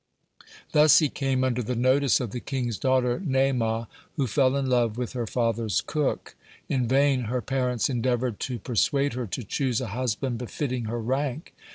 Thus he came under the notice of the king's daughter Naamah, who fell in love with her father's cook. In vain her parents endeavored to persuade her to choose a husband befitting her rank.